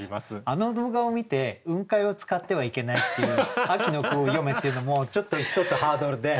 あの動画を観て「雲海」を使ってはいけないっていう秋の句を詠めっていうのもちょっと一つハードルで。